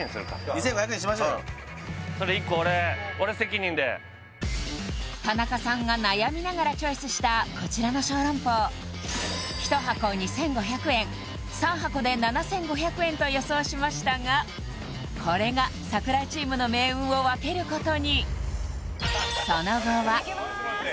２５００円にしましょうようんそれ１個俺俺責任で田中さんが悩みながらチョイスしたこちらの小籠包１箱２５００円３箱で７５００円と予想しましたがこれが櫻井チームの命運を分けることにいきます